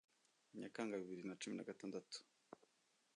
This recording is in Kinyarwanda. Nyakanga bibiri na ucmi na gatandatu